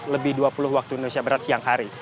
lebih dua puluh waktu indonesia barat siang hari